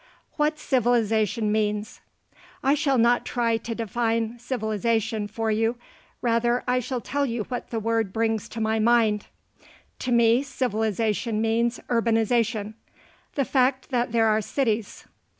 WHAT "CIVILIZATION" MEANS I shall not try to define "civilization" for you; rather, I shall tell you what the word brings to my mind. To me civilization means urbanization: the fact that there are cities.